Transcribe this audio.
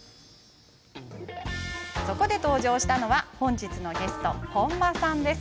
そこで登場したのは本日のゲスト、本間さんです。